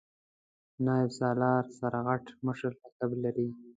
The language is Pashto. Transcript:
نایب سالار سرغټ مشر لقب لري.